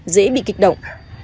dễ bị kịch động